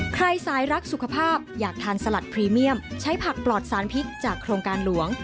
สายรักสุขภาพอยากทานสลัดพรีเมียมใช้ผักปลอดสารพิษจากโครงการหลวง